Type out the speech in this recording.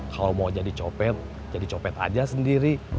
kalau mau jadi copet jadi copet aja sendiri